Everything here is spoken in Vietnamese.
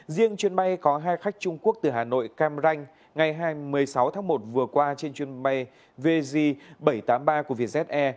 riêng chuyên bay có hai khách trung quốc từ hà nội cam ranh ngày hai mươi sáu tháng một vừa qua trên chuyên bay vz bảy trăm tám mươi ba của việt ze